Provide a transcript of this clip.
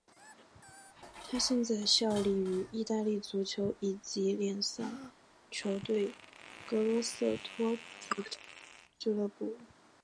他现在效力于意大利足球乙级联赛球队格罗瑟托足球俱乐部。